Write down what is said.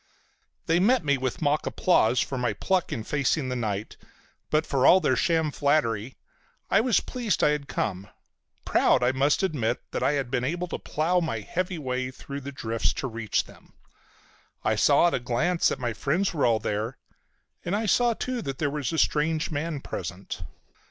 They met me with mock applause for my pluck in facing the night, but for all their sham flattery I was pleased I had come, proud, I must admit, that I had been able to plough my heavy way through the drifts to reach them. I saw at a glance that my friends were all there, and I saw too that there was a strange man present.